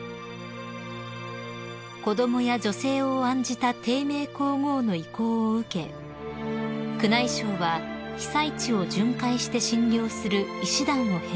［子供や女性を案じた貞明皇后の意向を受け宮内省は被災地を巡回して診療する医師団を編成］